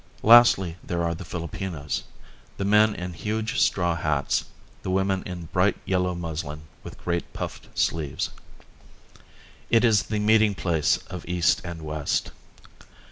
Lastly there are the Filipinos, the men in huge straw hats, the women in bright yellow muslin with great puffed sleeves. It is the meeting place of East and West.